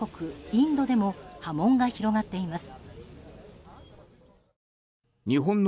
インドでも波紋が広がっています。